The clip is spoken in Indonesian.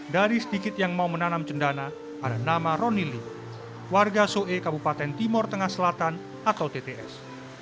dari sedikit yang mau menanam cendana ada nama roni lee warga soe kabupaten timur tengah selatan atau tts